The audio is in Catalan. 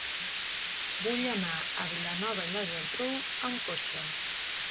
Vull anar a Vilanova i la Geltrú amb cotxe.